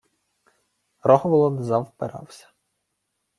Рогволод завпирався: